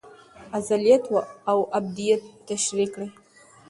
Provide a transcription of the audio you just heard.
ازليت او ابديت تشريح کوي